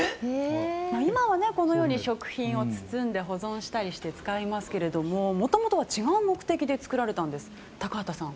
今は、このように食品を包んで保存したりして使いますけれどももともとは違う目的で作られたんです、高畑さん。